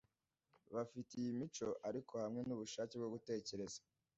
bafite iyo mico ariko hamwe nubushake bwo gutekereza